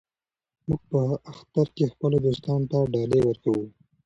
موږ په اختر کې خپلو دوستانو ته ډالۍ ورکوو.